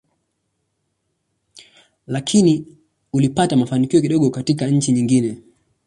Lakini ulipata mafanikio kidogo katika nchi nyingine.